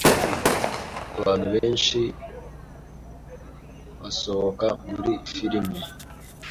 Abantu benshi basohoka muri firime.